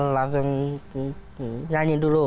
langsung nyanyi dulu ya